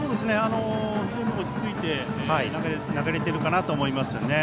非常に落ち着いて投げれているかなと思いますね。